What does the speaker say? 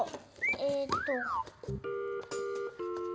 えっと。